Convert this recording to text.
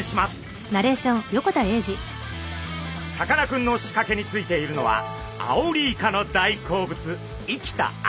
さかなクンのしかけについているのはアオリイカの大好物生きたアジ。